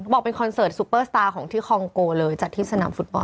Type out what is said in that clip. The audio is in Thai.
บอกเป็นคอนเสิร์ตซูเปอร์สตาร์ของที่คองโกเลยจัดที่สนามฟุตบอล